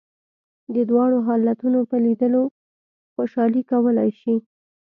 د دواړو حالتونو په لیدلو خوشالي کولای شې.